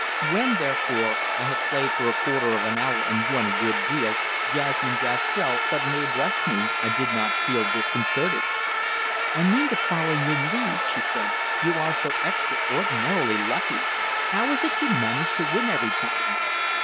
When, therefore I had played for a quarter of an hour and won a good deal Jasmine Gastrell suddenly addressed me, I did not feel disconcerted. "I mean to follow your lead," she said. "You are so extraordinarily lucky. How is it you manage to win every time?"